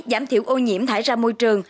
giảm thiểu ô nhiễm thải ra môi trường